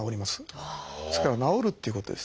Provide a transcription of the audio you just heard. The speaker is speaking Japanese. ですから治るっていうことですね。